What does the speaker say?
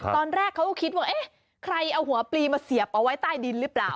ตอนแรกเขาก็คิดว่าเอ๊ะใครเอาหัวปลีมาเสียบเอาไว้ใต้ดินหรือเปล่า